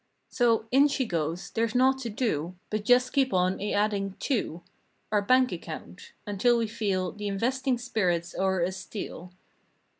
So, in she goes—there's naught to do But just keep on a adding to "Our bank account" until we feel The investing spirit o'er us steal.